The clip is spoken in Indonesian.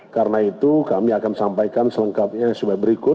karena itu kami akan sampaikan selengkapnya sebagai berikut